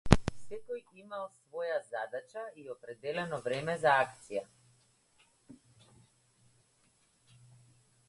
Секој имал своја задача и определено време за акција.